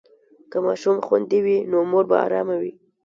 که ماشوم خوندي وي، نو مور به ارامه وي.